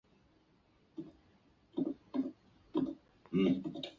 阿勒根氏是中国历史上女真族姓氏。